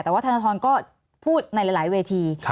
แต่ว่าธนทรก็พูดในหลายเวที